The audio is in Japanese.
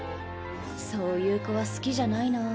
そういう子は好きじゃないなぁ。